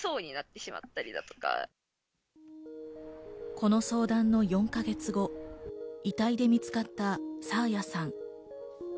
この相談の４か月後、遺体で見つかった爽彩さん。